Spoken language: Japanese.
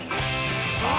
あ。